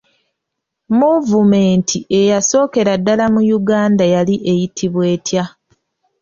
Muvumenti eyasookera ddala mu Uganda yali eyitibwa etya?